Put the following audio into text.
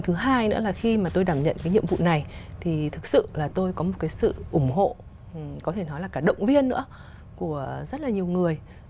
thứ hai nữa là khi mà tôi đảm nhận cái nhiệm vụ này thì thực sự là tôi có một cái sự ủng hộ có thể nói là cả động viên nữa của rất là nhiều người